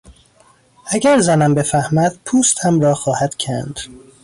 اگر زنم بفهمد پوستم را خواهد کند!